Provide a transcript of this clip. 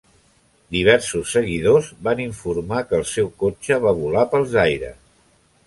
Diversos seguidors van informar que el seu cotxe va volar pels aires.